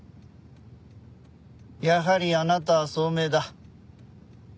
やはりあなたは聡明だ。